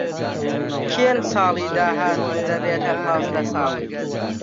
کێن ساڵی داهاتوو دەبێتە پازدە ساڵ.